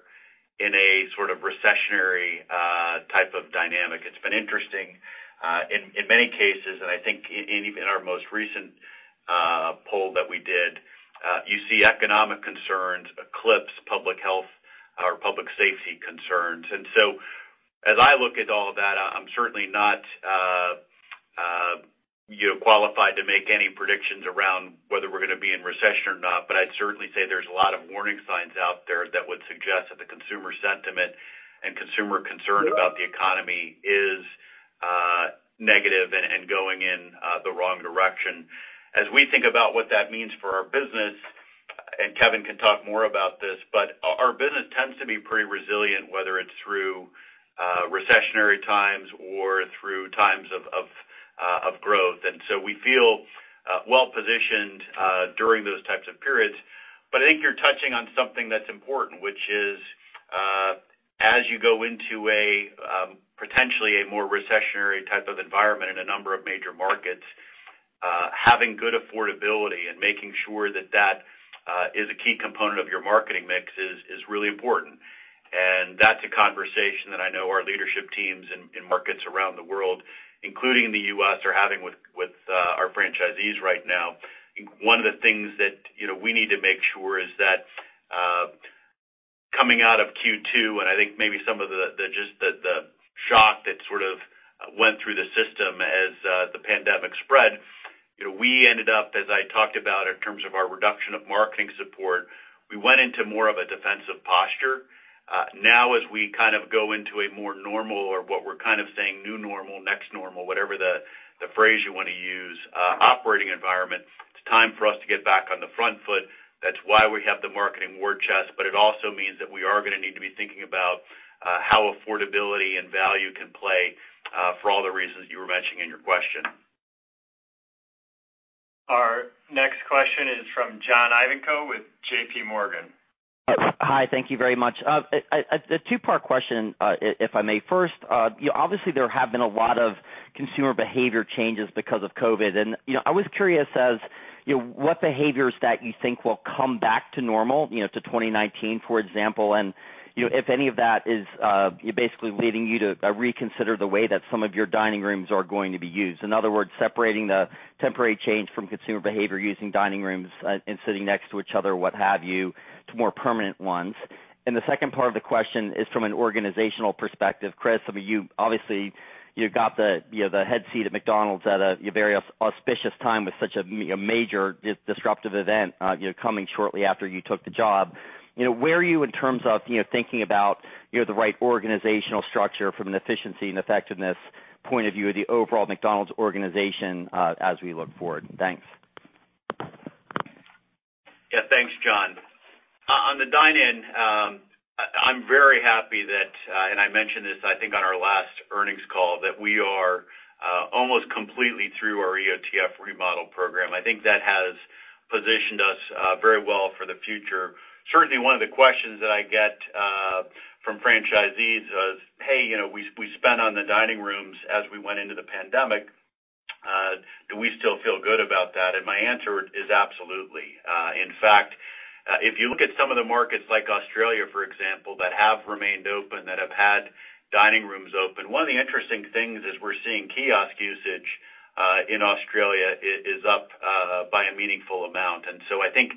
in a sort of recessionary type of dynamic. It's been interesting. In many cases, and I think in our most recent poll that we did, you see economic concerns eclipse public health or public safety concerns. As I look at all of that, I'm certainly not qualified to make any predictions around whether we're going to be in recession or not, but I'd certainly say there's a lot of warning signs out there that would suggest that the consumer sentiment and consumer concern about the economy is negative and going in the wrong direction. As we think about what that means for our business, and Kevin can talk more about this, but our business tends to be pretty resilient, whether it's through recessionary times or through times of growth. We feel well-positioned during those types of periods. I think you're touching on something that's important, which is as you go into potentially a more recessionary type of environment in a number of major markets, having good affordability and making sure that that is a key component of your marketing mix is really important. That's a conversation that I know our leadership teams in markets around the world, including the U.S., are having with our franchisees right now. One of the things that we need to make sure is that coming out of Q2, and I think maybe some of just the shock that sort of went through the system as the pandemic spread, we ended up, as I talked about in terms of our reduction of marketing support, we went into more of a defensive posture. As we go into a more normal or what we're saying, new normal, next normal, whatever the phrase you want to use, operating environment. Time for us to get back on the front foot. That's why we have the marketing war chest, but it also means that we are going to need to be thinking about how affordability and value can play for all the reasons you were mentioning in your question. Our next question is from John Ivankoe with JPMorgan. Hi, thank you very much. A two-part question, if I may. Obviously, there have been a lot of consumer behavior changes because of COVID. I was curious as what behaviors that you think will come back to normal, to 2019, for example, and if any of that is basically leading you to reconsider the way that some of your dining rooms are going to be used. In other words, separating the temporary change from consumer behavior using dining rooms and sitting next to each other, what have you, to more permanent ones. The second part of the question is from an organizational perspective. Chris, I mean, obviously, you got the head seat at McDonald's at a very auspicious time with such a major disruptive event coming shortly after you took the job. Where are you in terms of thinking about the right organizational structure from an efficiency and effectiveness point of view of the overall McDonald's organization as we look forward? Thanks. Yeah. Thanks, John. On the dine-in, I'm very happy that, and I mentioned this, I think, on our last earnings call, that we are almost completely through our EOTF remodel program. I think that has positioned us very well for the future. Certainly, one of the questions that I get from franchisees is, hey, we spent on the dining rooms as we went into the pandemic. Do we still feel good about that? My answer is absolutely. In fact, if you look at some of the markets like Australia, for example, that have remained open, that have had dining rooms open, one of the interesting things is we're seeing kiosk usage in Australia is up by a meaningful amount. I think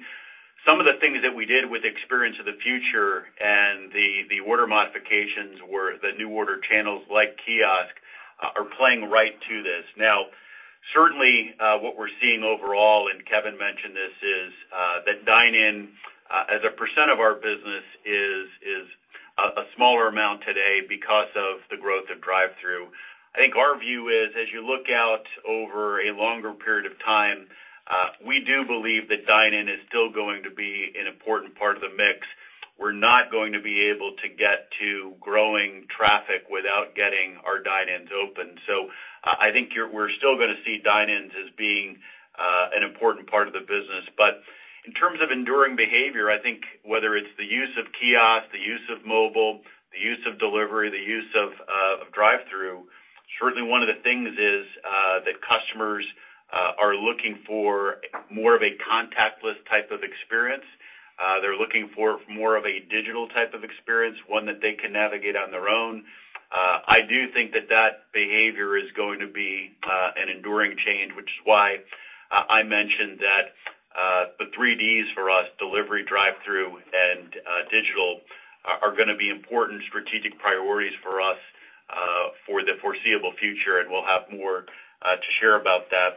some of the things that we did with Experience of the Future and the order modifications where the new order channels like kiosk are playing right to this. Now, certainly, what we're seeing overall, and Kevin mentioned this, is that dine-in as a percent of our business is a smaller amount today because of the growth of drive-thru. I think our view is, as you look out over a longer period of time, we do believe that dine-in is still going to be an important part of the mix. We're not going to be able to get to growing traffic without getting our dine-ins open. I think we're still going to see dine-ins as being an important part of the business. In terms of enduring behavior, I think whether it's the use of kiosk, the use of mobile, the use of delivery, the use of drive-thru, certainly one of the things is that customers are looking for more of a contactless type of experience. They're looking for more of a digital type of experience, one that they can navigate on their own. I do think that that behavior is going to be an enduring change, which is why I mentioned that the 3Ds for us, delivery, drive-thru, and digital, are going to be important strategic priorities for us for the foreseeable future, and we'll have more to share about that.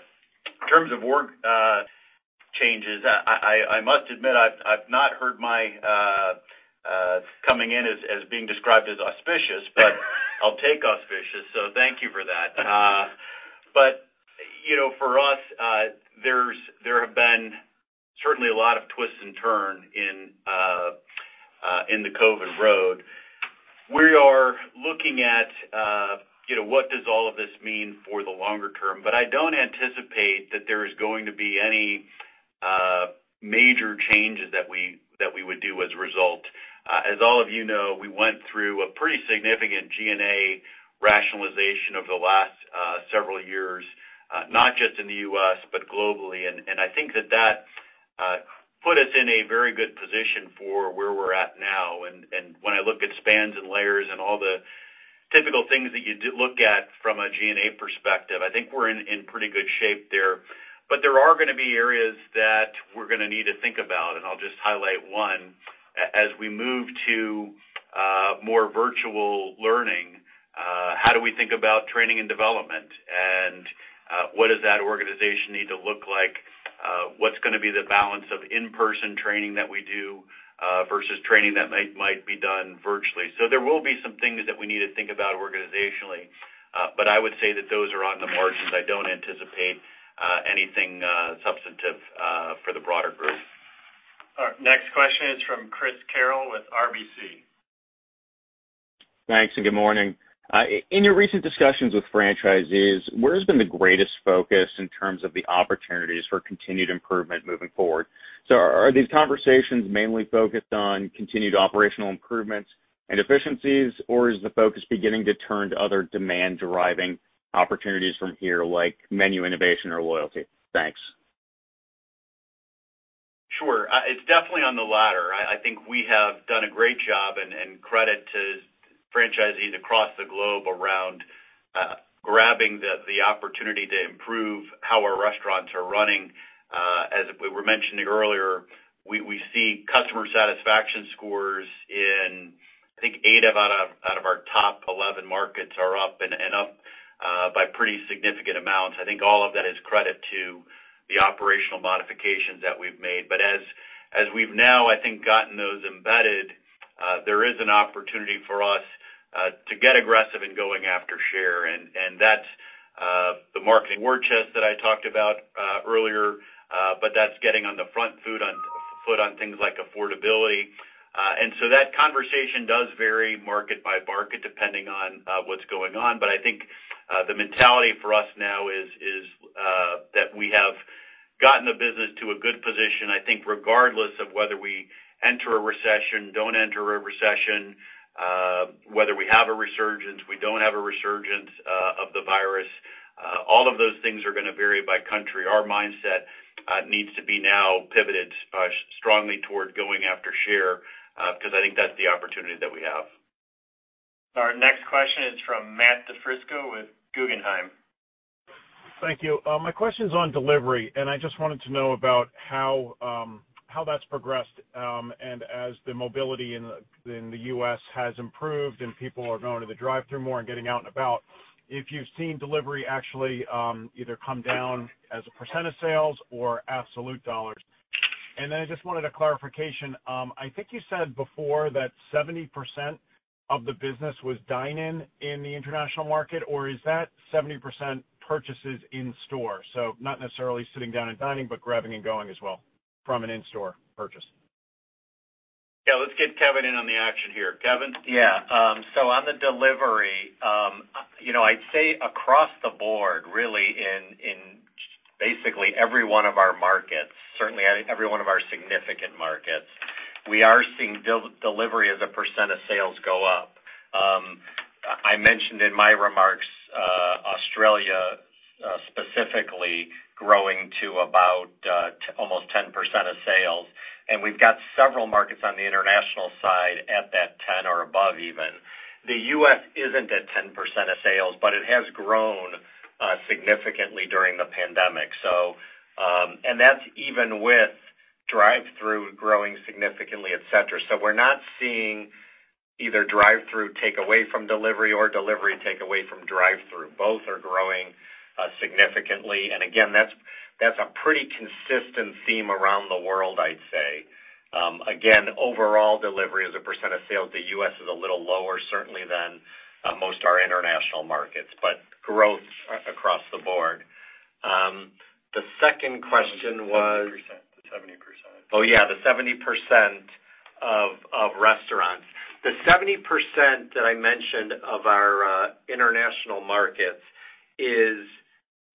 In terms of org changes, I must admit, I've not heard my coming in as being described as auspicious, but I'll take auspicious, so thank you for that. For us, there have been certainly a lot of twists and turn in the COVID road. We are looking at what does all of this mean for the longer term. I don't anticipate that there is going to be any major changes that we would do as a result. As all of you know, we went through a pretty significant G&A rationalization over the last several years, not just in the U.S., but globally. I think that that put us in a very good position for where we're at now. When I look at spans and layers and all the typical things that you look at from a G&A perspective, I think we're in pretty good shape there. There are going to be areas that we're going to need to think about. I'll just highlight one. As we move to more virtual learning, how do we think about training and development, and what does that organization need to look like? What's going to be the balance of in-person training that we do versus training that might be done virtually? There will be some things that we need to think about organizationally. I would say that those are on the margins. I don't anticipate anything substantive for the broader group. All right. Next question is from Chris Carril with RBC. Thanks and good morning. In your recent discussions with franchisees, where has been the greatest focus in terms of the opportunities for continued improvement moving forward? Are these conversations mainly focused on continued operational improvements and efficiencies, or is the focus beginning to turn to other demand-driving opportunities from here, like menu innovation or loyalty? Thanks. Sure. It's definitely on the latter. I think we have done a great job, and credit to franchisees across the globe around grabbing the opportunity to improve how our restaurants are running. As we were mentioning earlier, we see customer satisfaction scores in, I think, eight out of our top 11 markets are up, and up by pretty significant amounts. I think all of that is credit to the operational modifications that we've made. As we've now, I think, gotten those embedded. There is an opportunity for us to get aggressive in going after share, and that's the marketing war chest that I talked about earlier, but that's getting on the front foot on things like affordability. That conversation does vary market by market, depending on what's going on. I think the mentality for us now is that we have gotten the business to a good position, I think regardless of whether we enter a recession, don't enter a recession, whether we have a resurgence, we don't have a resurgence of the virus. All of those things are going to vary by country. Our mindset needs to be now pivoted strongly toward going after share, because I think that's the opportunity that we have. Our next question is from Matt DiFrisco with Guggenheim. Thank you. My question's on delivery. I just wanted to know about how that's progressed and as the mobility in the U.S. has improved and people are going to the drive-thru more and getting out and about, if you've seen delivery actually either come down as a percent of sales or absolute dollars. I just wanted a clarification. I think you said before that 70% of the business was dine-in in the international market, or is that 70% purchases in store? Not necessarily sitting down and dining, but grabbing and going as well from an in-store purchase. Yeah, let's get Kevin in on the action here. Kevin? Yeah. On the delivery, I'd say across the board really in basically every one of our markets, certainly every one of our significant markets, we are seeing delivery as a percent of sales go up. I mentioned in my remarks Australia specifically growing to about almost 10% of sales, we've got several markets on the international side at that 10 or above even. The U.S. isn't at 10% of sales, it has grown significantly during the pandemic. That's even with drive-thru growing significantly, et cetera. We're not seeing either drive-thru take away from delivery or delivery take away from drive-thru. Both are growing significantly. Again, that's a pretty consistent theme around the world, I'd say. Again, overall delivery as a percent of sales, the U.S. is a little lower certainly than most our international markets, growth across the board. The second question was- The 70%. Oh, yeah, the 70% of restaurants. The 70% that I mentioned of our international markets is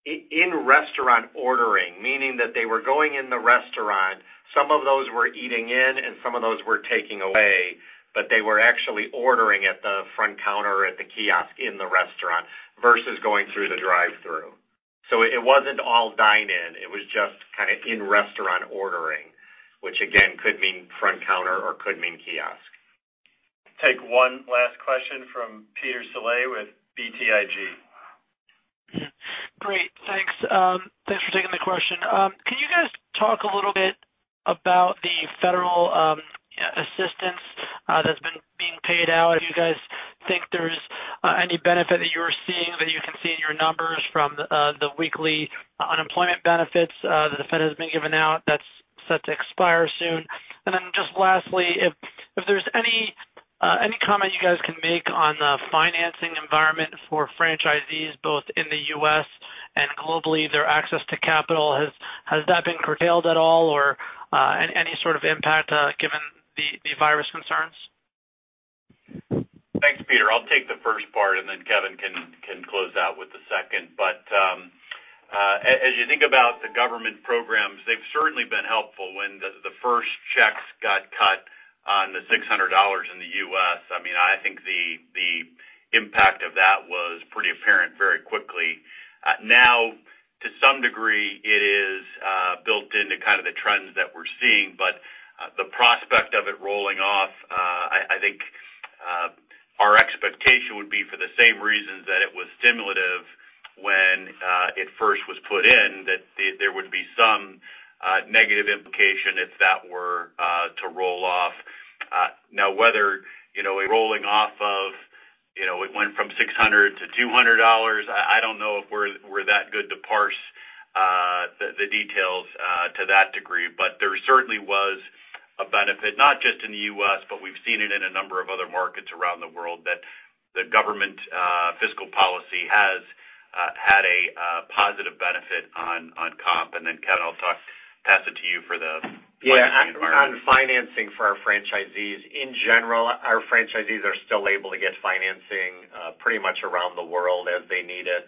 in-restaurant ordering, meaning that they were going in the restaurant. Some of those were eating in, and some of those were taking away, but they were actually ordering at the front counter or at the kiosk in the restaurant versus going through the drive-thru. So it wasn't all dine-in. It was just in-restaurant ordering, which again, could mean front counter or could mean kiosk. Take one last question from Peter Saleh with BTIG. Great. Thanks for taking the question. Can you guys talk a little bit about the federal assistance that's being paid out? Do you guys think there's any benefit that you're seeing, that you can see in your numbers from the weekly unemployment benefits that the Fed has been giving out that's set to expire soon? Then just lastly, if there's any comment you guys can make on the financing environment for franchisees, both in the U.S. and globally, their access to capital. Has that been curtailed at all or any sort of impact given the virus concerns? Thanks, Peter. I'll take the first part and then Kevin can close out with the second. As you think about the government programs, they've certainly been helpful when the first checks got cut on the $600 in the U.S. I think the impact of that was pretty apparent very quickly. Now, to some degree, it is built into kind of the trends that we're seeing. The prospect of it rolling off, I think our expectation would be for the same reasons that it was stimulative when it first was put in, that there would be some negative implication if that were to roll off. Now, whether a rolling off of it went from $600-$200, I don't know if we're that good to parse the details to that degree. There certainly was a benefit, not just in the U.S., but we've seen it in a number of other markets around the world that the government fiscal policy has had a positive benefit on comp. Kevin, I'll pass it to you for the financing environment. Yeah. On financing for our franchisees, in general, our franchisees are still able to get financing pretty much around the world as they need it.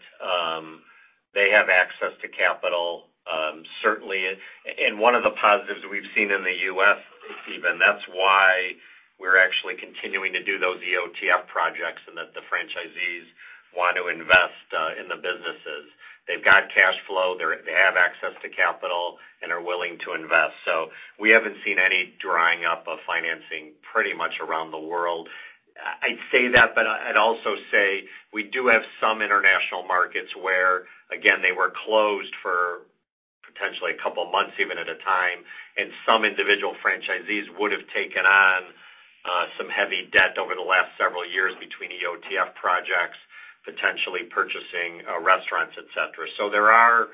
They have access to capital. One of the positives we've seen in the U.S. even, that's why we're actually continuing to do those EOTF projects and that the franchisees want to invest in the businesses. They've got cash flow, they have access to capital and are willing to invest. We haven't seen any drying up of financing pretty much around the world. I'd say that, but I'd also say we do have some international markets where, again, they were closed for potentially a couple of months even at a time, and some individual franchisees would have taken on some heavy debt over the last several years between EOTF projects, potentially purchasing restaurants, et cetera. There are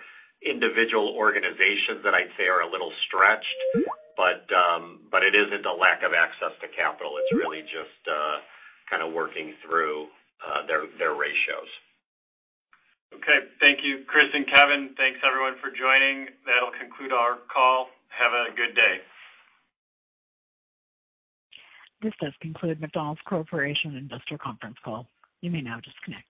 individual organizations that I'd say are a little stretched, but it isn't a lack of access to capital. It's really just kind of working through their ratios. Okay. Thank you, Chris and Kevin. Thanks everyone for joining. That'll conclude our call. Have a good day. This does conclude McDonald's Corporation investor conference call. You may now disconnect.